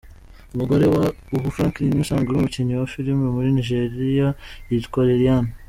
Umugore wa Ubi Franklin asanzwe ari umukinnyi wa filime muri Nijeriya, yitwa Lilian.